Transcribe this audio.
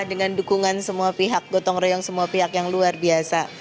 dengan dukungan semua pihak gotong royong semua pihak yang luar biasa